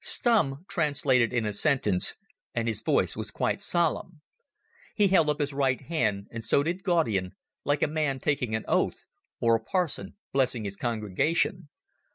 Stumm translated in a sentence, and his voice was quite solemn. He held up his right hand and so did Gaudian, like a man taking an oath or a parson blessing his congregation.